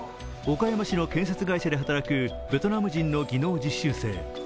岡山市の建設会社で働くベトナム人の技能実習生。